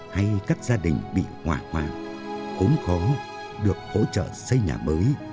hay các gia đình bị hỏa hoa khốn khó được hỗ trợ xây nhà mới